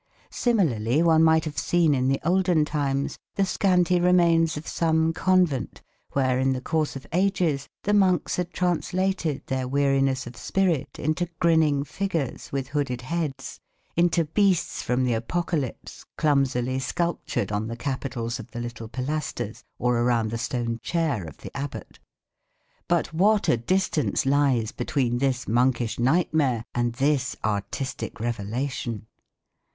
Similarly one might have seen in the olden times the scanty remains of some convent where, in the course of ages the monks had translated their weariness of spirit into grinning figures, with hooded heads, into beasts from the Apocalypse, clumsily sculptured on the capitals of the little pilasters or around the stone chair of the Abbot. But what a distance lies between this monkish nightmare and this artistic revelation!